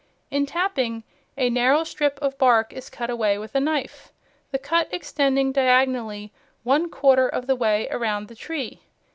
In tapping, a narrow strip of bark is cut away with a knife, the cut extending diagonally one quarter of the way around the tree.